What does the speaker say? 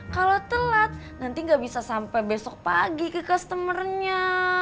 kalau telat nanti gak bisa sampai besok pagi ke customer nya